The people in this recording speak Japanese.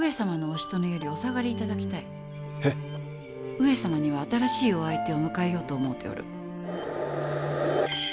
上様には新しいお相手を迎えようと思うておる。